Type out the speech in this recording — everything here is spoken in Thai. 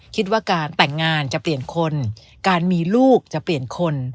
คิดว่าการแต่งงานจะเปลี่ยนคนการมีลูกจะเปลี่ยนคน